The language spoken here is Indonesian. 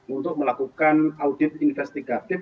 untuk melakukan audit investigatif